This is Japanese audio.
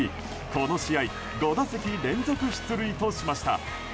この試合５打席連続出塁としました。